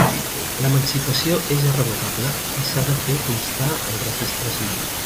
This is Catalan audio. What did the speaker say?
L'emancipació és irrevocable i s'ha de fer constar al Registre Civil.